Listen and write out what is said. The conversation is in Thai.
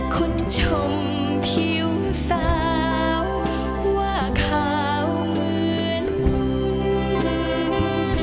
คนชมผิวสาวว่าขาวเหมือน